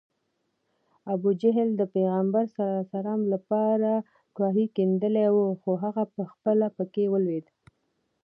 ابوجهل د پیغمبر ص لپاره کوهی کیندلی و خو پخپله پکې ولوېد